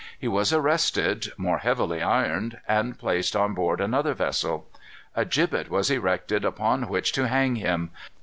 He was arrested, more heavily ironed, and placed on board another vessel. A gibbet was erected upon which to hang him.